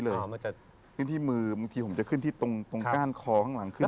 แต่เขาตัดได้มั้ยอันนี้อย่างนี้อย่างนี้อย่างนี้อย่างนี้